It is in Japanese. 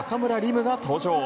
夢が登場。